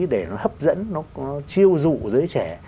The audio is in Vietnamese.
để nó hấp dẫn nó chiêu dụ dưới trẻ